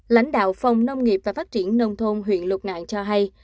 lãnh đạo phòng nông nghiệp và phát triển nông thôn huyện lục ngạn cho hay